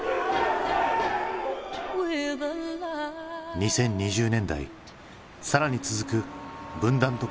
２０２０年代更に続く分断と混乱。